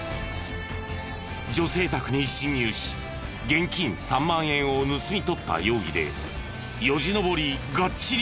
女性宅に侵入し現金３万円を盗み取った容疑でよじ登りガッチリ